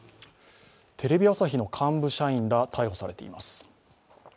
テレビ朝日の幹部社員が逮捕されています。